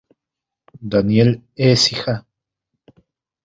Dirección: Daniel Écija.